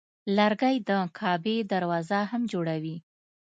لرګی د کعبې دروازه هم جوړوي.